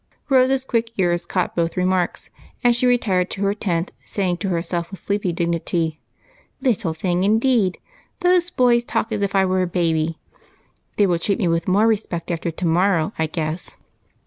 Rose's quick ears caught both remarks, and she re tired to her tent, saying to herself with sleepy dig nity, —" Little thing, indeed ! Those boys talk as if I was a baby. They will treat me with more respect after to morrow, I guess."